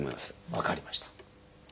分かりました。